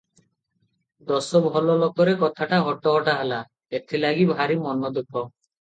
ଦଶ ଭଲଲୋକରେ କଥାଟା ହଟହଟା ହେଲା, ଏଥିଲାଗି ଭାରି ମନ ଦୁଃଖ ।